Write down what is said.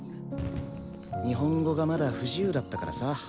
日本語がまだ不自由だったからさ。